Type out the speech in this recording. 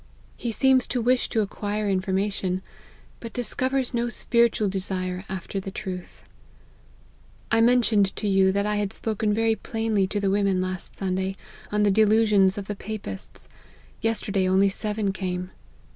He seems to wish to acquire information, but discovers 'no spiritual desire after the truth." "I mentioned to you that I had spoken very plainly to the women last Sunday, on the delusions of the papists : yesterday only seven came.